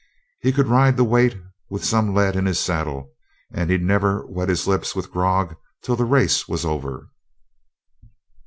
He could ride the weight with some lead in his saddle, and he'd never wet his lips with grog till the race was over.